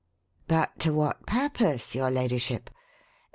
"But to what purpose, your ladyship?